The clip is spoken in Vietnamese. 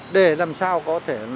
để làm sao có thể là đẩy mạnh